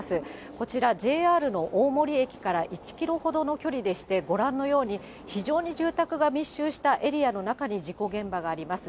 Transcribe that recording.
こちら、ＪＲの大森駅から１キロほどの距離でして、ご覧のように非常に住宅が密集したエリアの中に事故現場があります。